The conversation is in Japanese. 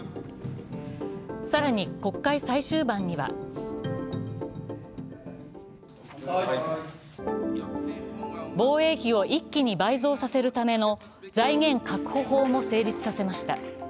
更に国会最終盤には防衛費を一気に倍増させるための財源確保法も成立させました。